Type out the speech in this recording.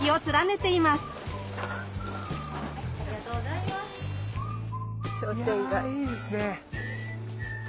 いやいいですね。